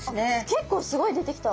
結構すごい出てきた。